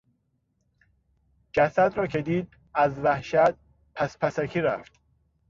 جسد را که دید از وحشت پس پسکی رفت.